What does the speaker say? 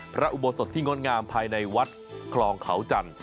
อุโบสถที่งดงามภายในวัดคลองเขาจันทร์